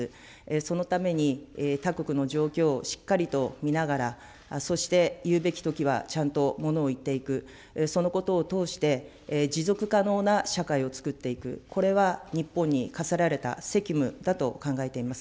そのために、他国の状況をしっかりと見ながら、そして言うべきときはちゃんとものを言っていく、そのことを通して、持続可能な社会をつくっていく、これは日本に課せられた責務だと考えています。